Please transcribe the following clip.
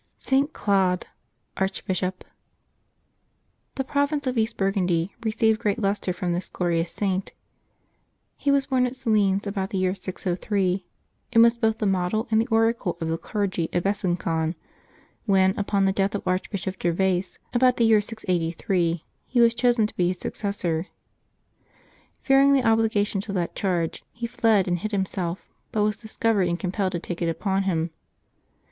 ST. CLAUDE, Archbishop. ^^HE province of Eastern Burgundy received great lustre ^J from this glorious Saint. He was born at Salins, about the year 603, and was both the model and the oracle of the clergy of Besangon, when, upon the death of Arch bishop Gervaise, about the year 683, he was chosen to be his successor. Fearing the obligations of that charge, he fled and hid himself, but was discovered and compelled to take it upon him.